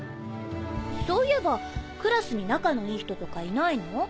そういえばクラスに仲のいい人とかいないの？